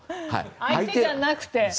相手じゃなくて。